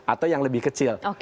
atau yang lebih kecil